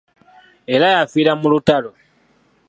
Era yafiira mu lutalo.